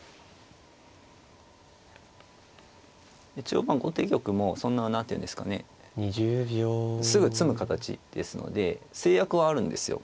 一応後手玉も何ていうんですかねすぐ詰む形ですので制約はあるんですよ。